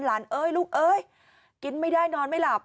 เอ้ยลูกเอ้ยกินไม่ได้นอนไม่หลับ